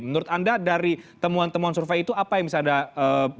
menurut anda dari temuan temuan survei itu apa yang bisa anda lakukan